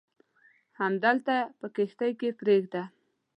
همدلته یې په کښتۍ کې پرېږده.